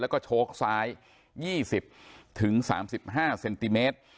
แล้วก็โชคซ้าย๒๐๓๕เซนติเมตร